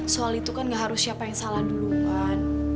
soal itu kan gak harus siapa yang salah duluan